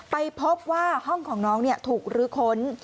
ไปพบว่าห้องของน้องถูกลื้อค้น